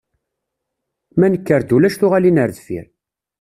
Ma nekker-d ulac tuɣalin ar deffir.